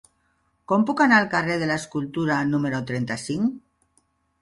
Com puc anar al carrer de l'Escultura número trenta-cinc?